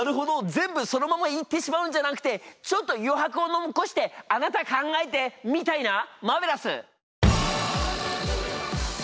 全部そのまま言ってしまうんじゃなくてちょっと余白を残して「あなた考えて」みたいな！マーベラス！